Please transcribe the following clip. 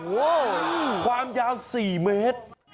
โหความยาว๔เมตร